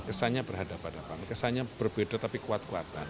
kesannya berhadapan hadapan kesannya berbeda tapi kuat kuatan